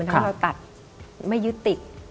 ถ้าเราตัดไม่ยึดติด